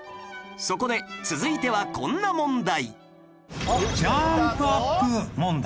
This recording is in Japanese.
そこで続いてはこんな問題